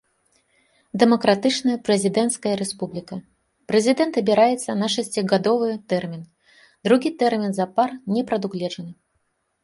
Дэмакратычная прэзідэнцкая рэспубліка, прэзідэнт абіраецца на шасцігадовы тэрмін, другі тэрмін запар не прадугледжаны.